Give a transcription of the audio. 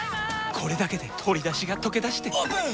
これだけで鶏だしがとけだしてオープン！